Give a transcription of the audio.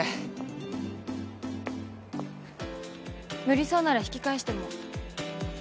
無理そうなら引き返しても。